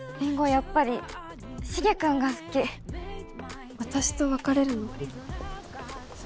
やっぱりしげ君が好き私と別れるの？